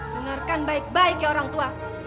dengarkan baik baik ya orang tua